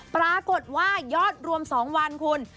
ปรากฏว่ายอดรวม๒วันคุณ